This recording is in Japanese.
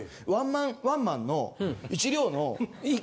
ワンマン、ワンマンの１両の。